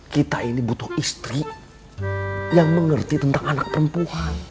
kita ini butuh istri yang mengerti tentang anak perempuan